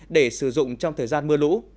để sử dụng trong thời gian mưa lũ